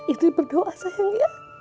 indri berdoa sayang ya